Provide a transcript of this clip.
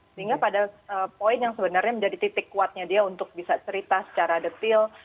sehingga pada poin yang sebenarnya menjadi titik kuatnya dia untuk bisa cerita secara detail